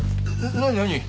何？